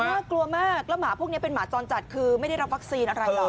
น่ากลัวมากแล้วหมาพวกนี้เป็นหมาจรจัดคือไม่ได้รับวัคซีนอะไรหรอก